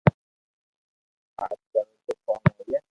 اج ڪرو تو ڪوم ھوئي